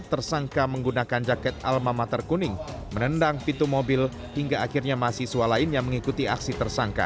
tersangka menggunakan jaket alma mater kuning menendang pintu mobil hingga akhirnya mahasiswa lainnya mengikuti aksi tersangka